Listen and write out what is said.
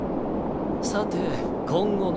さて今後の。